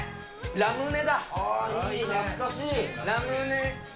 ラムネ。